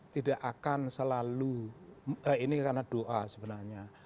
tidak akan selalu ini karena doa sebenarnya